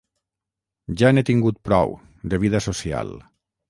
Ja n'he tingut prou, de vida social.